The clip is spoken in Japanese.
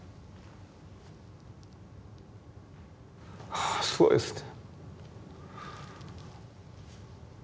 はあすごいですね。